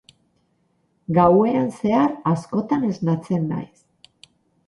Gauean zehar askotan esnatzen naiz.